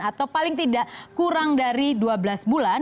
atau paling tidak kurang dari dua belas bulan